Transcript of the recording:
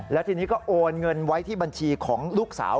แล้วทีนี้ก็โอนเงินไว้ที่บัญชีของลูกสาว